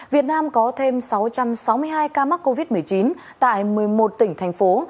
việt nam có thêm sáu trăm sáu mươi hai ca mắc covid một mươi chín tại một mươi một tỉnh thành phố